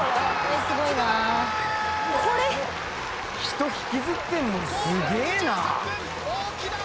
人引きずってんもんすげえな。